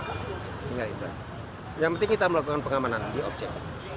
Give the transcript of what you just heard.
tinggal itu yang penting kita melakukan pengamanan di objek